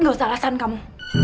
nggak usah alasan kamu